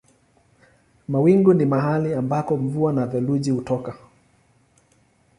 Mawingu ni mahali ambako mvua na theluji hutoka.